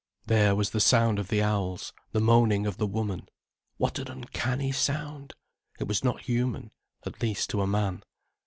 There was the sound of the owls—the moaning of the woman. What an uncanny sound! It was not human—at least to a man.